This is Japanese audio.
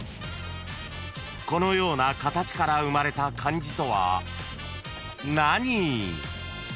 ［このような形から生まれた漢字とは何？］